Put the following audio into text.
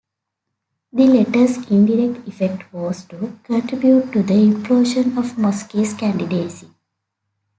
The letter's indirect effect was to contribute to the implosion of Muskie's candidacy.